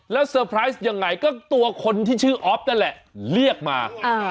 แล้วเซอร์ไพรส์ยังไงก็ตัวคนที่ชื่ออ๊อฟนั่นแหละเรียกมา